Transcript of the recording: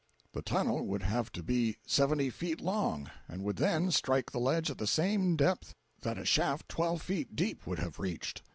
The tunnel would have to be seventy feet long, and would then strike the ledge at the same dept that a shaft twelve feet deep would have reached!